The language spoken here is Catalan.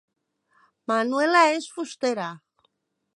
Manuela és fustera